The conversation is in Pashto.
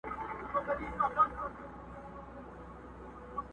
زه سجدې ته وم راغلی تا پخپله یم شړلی!.